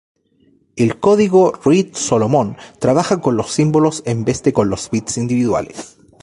El código Reed-Solomon trabaja con los símbolos en vez de con los bits individuales.